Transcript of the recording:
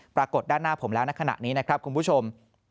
ปรากฏด้านหน้าผมแล้วในขณะนี้นะครับคุณผู้ชม